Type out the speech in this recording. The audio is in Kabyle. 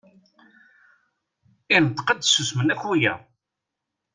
Ineṭeq-d susemen akka wiyaḍ.